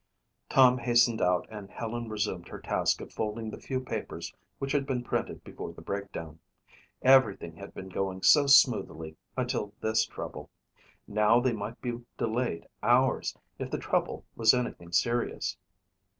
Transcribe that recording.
Tom hastened out and Helen resumed her task of folding the few papers which had been printed before the breakdown. Everything had been going so smoothly until this trouble. Now they might be delayed hours if the trouble was anything serious.